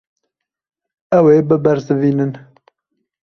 Ew ê bibersivînin.